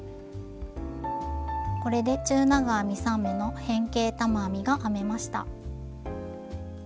これで中長編み３目の変形玉編みが編めました。